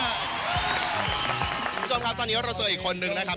คุณผู้ชมครับตอนนี้เราเจออีกคนนึงนะครับ